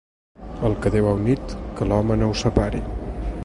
El que Déu ha unit, que l'home no ho separi.